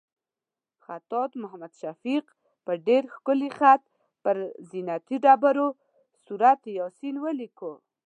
خطاط محمد شفیق په ډېر ښکلي خط پر زینتي ډبرو سورت یاسین ولیکلو.